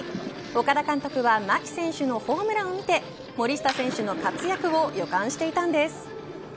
岡田監督は牧選手のホームランを見て森下選手の活躍を予感していたんです。